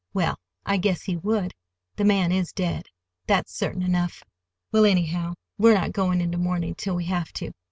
Well, I guess he would! The man is dead. That's certain enough." "Well, anyhow, we're not going into mourning till we have to."